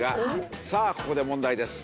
さあここで問題です。